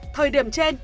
thời điểm trên